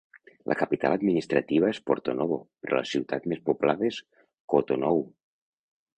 La capital administrativa és Porto-Novo, però la ciutat més poblada és Cotonou.